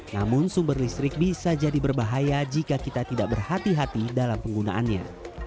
namun sumber listrik bisa jadi berbahaya jika kita tidak berhati hati dalam penggunaannya